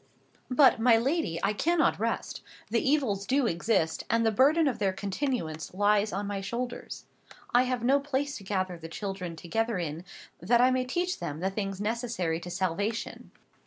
"But, my lady, I cannot rest. The evils do exist, and the burden of their continuance lies on my shoulders. I have no place to gather the children together in, that I may teach them the things necessary to salvation.